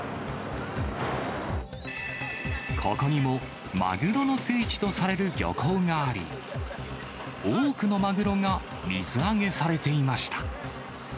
ここにも、マグロの聖地とされる漁港があり、多くのマグロが水揚げされていました。